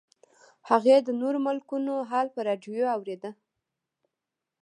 هغې د نورو ملکونو حال په راډیو اورېده